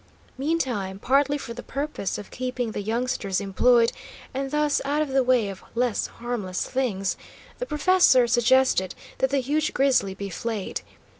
Meantime, partly for the purpose of keeping the youngsters employed and thus out of the way of less harmless things, the professor suggested that the huge grizzly be flayed.